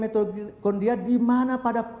metodik kondia dimana pada